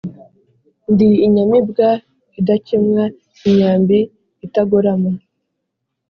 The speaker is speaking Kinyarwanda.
Ndi inyamibwa idakemwa, imyambi itagorama,